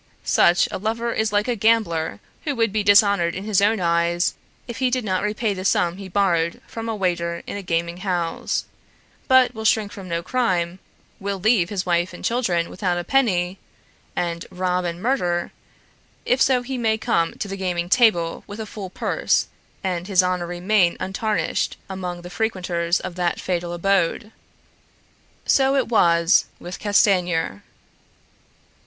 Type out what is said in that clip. Such a lover is like a gambler who would be dishonored in his own eyes if he did not repay the sum he borrowed from a waiter in a gaming house; but will shrink from no crime, will leave his wife and children without a penny, and rob and murder, if so he may come to the gaming table with a full purse, and his honor remain untarnished among the frequenters of that fatal abode. So it was with Castanier.